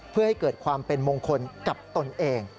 เพื่อให้เกิดความเป็นมงคลกับตนเอง